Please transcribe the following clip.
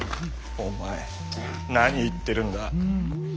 お前何言ってるんだ。